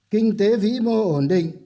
kinh tế vĩ mô ổn định